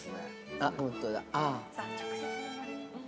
◆あっ、本当だ。